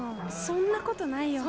そんなことないよ。